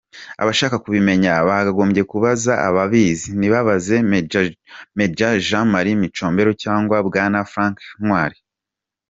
Abashaka kubimenya bagombye kubaza ababizi, ntibabaze Major Jean Marie Micombero cyangwa Bwana Frank Ntwali.